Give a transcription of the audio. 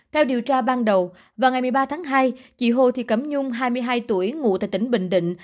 theo điều tra ban đầu vào ngày một mươi ba tháng hai chị hồ thị cẩm nhung hai mươi hai tuổi ngụ tại tỉnh bình định